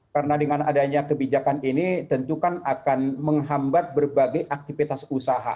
karena dengan adanya kebijakan ini tentu kan akan menghambat berbagai aktivitas usaha